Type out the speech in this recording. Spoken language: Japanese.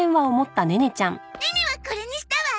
ネネはこれにしたわ。